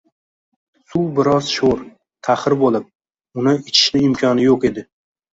Suv biroz shoʻr, taxir bo'lib, uni ihishni imkoni yo'q edi